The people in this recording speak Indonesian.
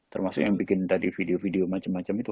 termasuk yang bikin tadi video video macam macam itu